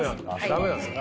ダメなんですか。